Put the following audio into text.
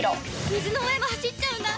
水の上も走っちゃうんだ。